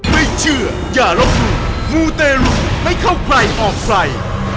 ไม่เชื่ออย่ารบมูมูเตรุให้เข้าใกล้ออกไฟ